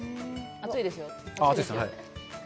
熱いですよ